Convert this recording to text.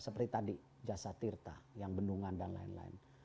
seperti tadi jasa tirta yang bendungan dan lain lain